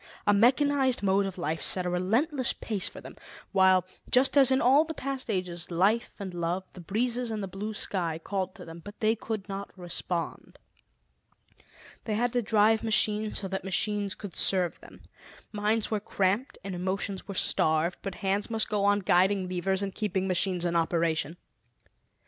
A mechanized mode of life set a relentless pace for them, while, just as in all the past ages, life and love, the breezes and the blue sky called to them; but they could not respond. They had to drive machines so that machines could serve them. Minds were cramped and emotions were starved, but hands must go on guiding levers and keeping machines in operation.